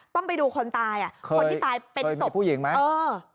ต้องไปดูคนตายคนที่ตายเป็นสมมีผู้หญิงไหม